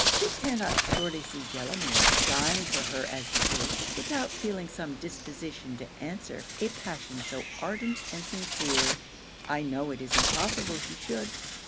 She cannot surely see Delamere, dying for her as he is, without feeling some disposition to answer a passion so ardent and sincere: I know it is impossible she should.